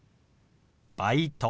「バイト」。